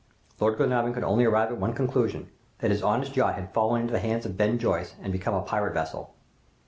"Lord Glenarvan could only arrive at one conclusion; that his honest yacht had fallen into the hands of Ben Joyce, and had become a pirate vessel!